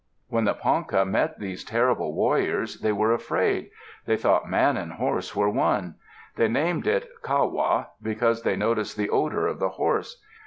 When the Ponca met these terrible warriors, they were afraid. They thought man and horse were one. They named it "Kawa" because they noticed the odor of the horse.